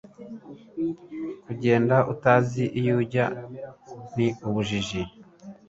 kugenda utazi iyu ujya ni ubujiji